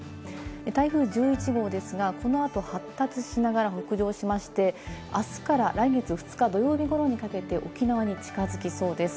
台風１１号ですが、このあと発達しながら北上しまして、あすから来月２日、土曜日頃にかけて沖縄に近づきそうです。